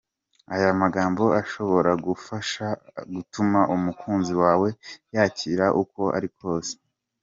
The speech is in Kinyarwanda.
Aya magambo ashobora kugufasha gutuma umukunzi wawe yakira uko ari kose.